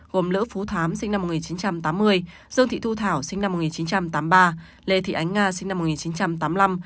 gồm lữ phú thám sinh năm một nghìn chín trăm tám mươi dương thị thu thảo sinh năm một nghìn chín trăm tám mươi ba lê thị ánh nga sinh năm một nghìn chín trăm tám mươi năm